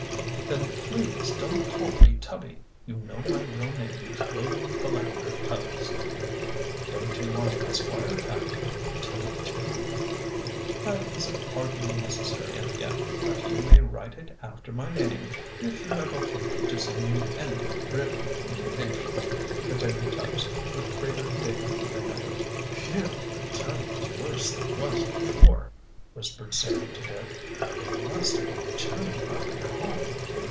"Then, please don't call me Tubby. You know my real name is William Philander Tubbs." "Don't you want Esquire tacked to it, too?" "That is hardly necessary as yet. But you may write it after my name, if you have occasion to send me any written communication," continued Tubbs, with greater dignity than ever. "Phew! but Tubby is worse than he was before," whispered Sam to Dick. "They must have been tuning him up at home."